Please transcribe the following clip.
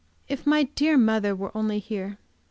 If my dear mother were only here!